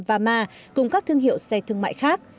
và ma cùng các thương hiệu xe thương mại khác